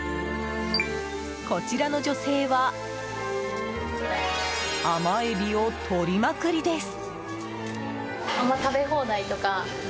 こちらの女性は甘エビを取りまくりです。